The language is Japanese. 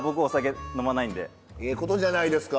ええことじゃないですか。